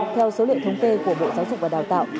theo số liệu thống kê của bộ giáo dục và đào tạo